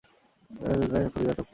অনিদ্রাজনিত কারণে ফরিদার চোখ লাল।